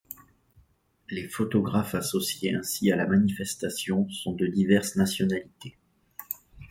Les photographes associés ainsi à la manifestation sont de diverses nationalités.